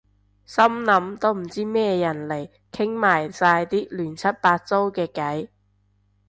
心諗都唔知咩人嚟傾埋晒啲亂七八糟嘅偈